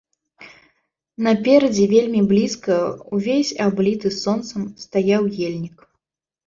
Наперадзе, вельмі блізка, увесь абліты сонцам, стаяў ельнік.